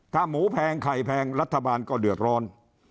ถ้าหมูแพงไข่แพงรัฐบาลก็เดือดร้อน